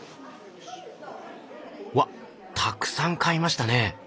うわたくさん買いましたね。